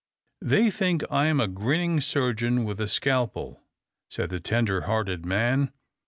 "They think I am a grinning surgeon with a scalpel," said the tender hearted man.